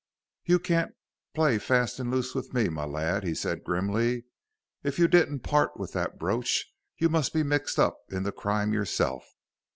"You can't play fast and loose with me, my lad," he said grimly; "if you didn't part with that brooch, you must be mixed up in the crime yourself.